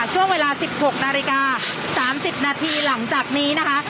ช่วงเวลา๑๖นาฬิกา๓๐นาทีหลังจากนี้นะคะ